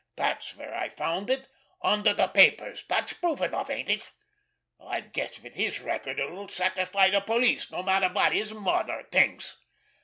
That's where I found it—under the papers! That's proof enough, ain't it? I guess with his record it will satisfy the police—no matter what his mother thinks!"